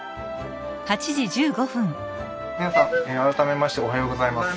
皆さん改めましておはようございます。